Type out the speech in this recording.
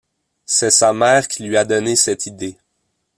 C'est sa mère qui lui a donné cette idée.